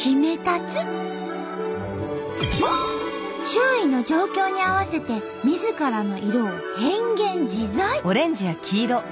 周囲の状況に合わせてみずからの色を変幻自在！